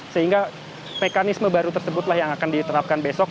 sehingga mekanisme baru tersebutlah yang akan diterapkan besok